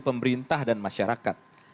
pemerintah dan masyarakat